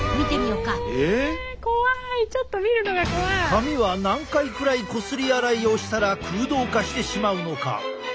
髪は何回くらいこすり洗いをしたら空洞化してしまうのか？